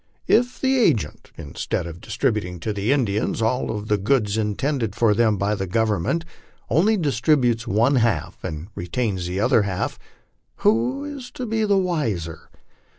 If the agent, instead of distributing to the Indians all of the goods in tended for them by the Government, only distributes one half and retains tho other half, who is to be the wiser?